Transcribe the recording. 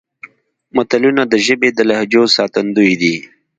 متلونه د ژبې د لهجو ساتندوی دي